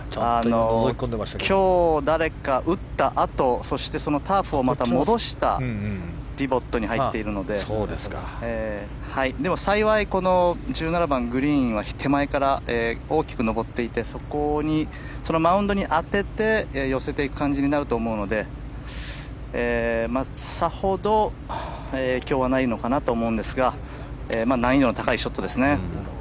今日、誰かが打ったあとターフをまた戻したディボットに入っているのででも、幸い１７番グリーンは手前から大きく上っていてそのマウンドに当てて寄せていく感じになると思うのでさほど影響はないのかなと思うんですが難易度の高いショットですね。